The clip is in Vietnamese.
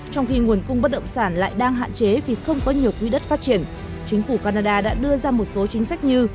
trong khi nguồn cung bất động sản lại đang hạn chế vì không có nhiều quỹ đất phát triển chính phủ canada đã đưa ra một số chính sách như